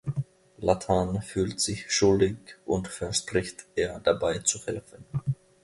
Lathan fühlt sich schuldig und verspricht ihr dabei zu helfen.